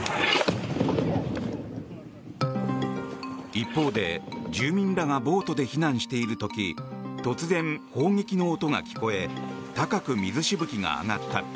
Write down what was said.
一方で住民らがボートで避難している時突然、砲撃の音が聞こえ高く水しぶきが上がった。